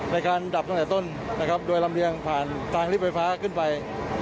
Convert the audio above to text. ในการดับตั้งแต่ต้นนะครับโดยลำเลียงผ่านทางลิฟต์ไฟฟ้าขึ้นไป